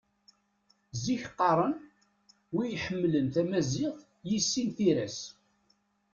Zik qqaren: Win iḥemmlen tamaziɣt, yissin tira-s.